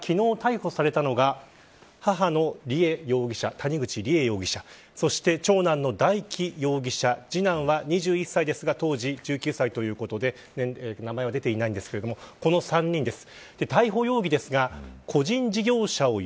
逮捕されたのが母の梨恵容疑者そして、長男の大祈容疑者次男は２１歳ですが当時１９歳ということで名前は出ていないんですがこの３人です。